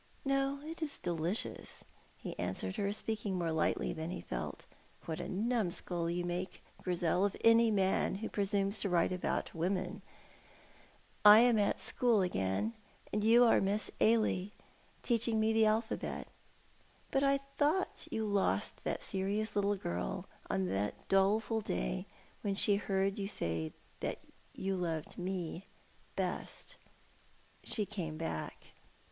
"No, it is delicious," he answered her, speaking more lightly than he felt. "What a numskull you make, Grizel, of any man who presumes to write about women! I am at school again, and you are Miss Ailie teaching me the alphabet. But I thought you lost that serious little girl on the doleful day when she heard you say that you loved me best." "She came back.